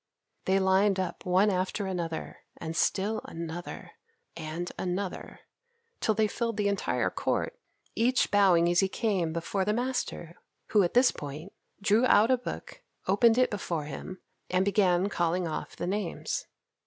They lined up one after another, and still another, and another, till they filled the entire court, each bowing as he came before the master, who, at this point, drew out a book, opened it before him, and began calling off the names.